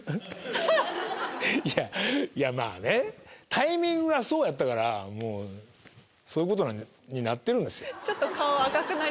まぁねタイミングがそうやったからそういうことになってるんですよ。